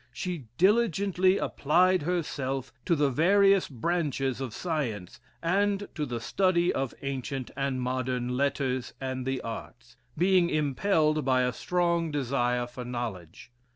She diligently applied herself to the various branches of science, and to the study of ancient and modern letters and the arts, being impelled by a strong desire for knowledge.